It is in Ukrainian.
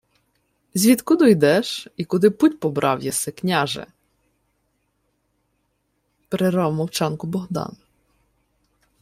— Звідкуду йдеш і куди путь побрав єси, княже? — перервав мовчанку Богдан.